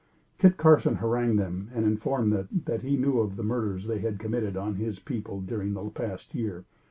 Kit Carson harangued them and informed them that he knew of the murders they had committed on his people during the past year.